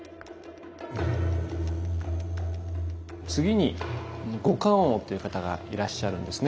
次に五官王という方がいらっしゃるんですね。